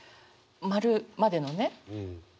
「。」までのね